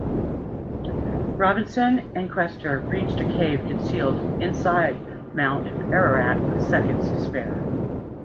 Robinson and Questor reach a cave concealed inside Mount Ararat with seconds to spare.